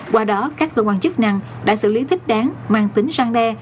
qua đó các cơ quan chức năng đã xử lý thích đáng mang tính răng đe